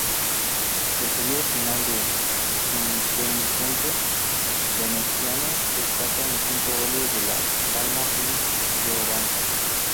Del periodo final del "Cinquecento" veneciano destacan los cinco óleos de Palma il Giovane.